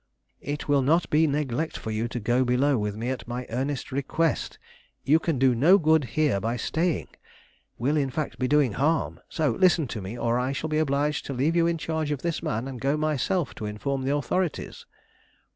"It will not be neglect for you to go below with me at my earnest request. You can do no good here by staying; will, in fact, be doing harm. So listen to me or I shall be obliged to leave you in charge of this man and go myself to inform the authorities."